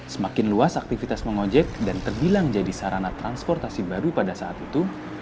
semakin luas aktivitas mengojek dan terbilang jadi sarana transportasi baru pada saat itu